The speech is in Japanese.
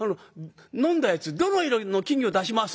飲んだやつどの色の金魚出します